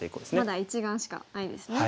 まだ１眼しかないですね。